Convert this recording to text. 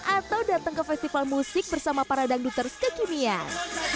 atau datang ke festival musik bersama para dangdut terkejimian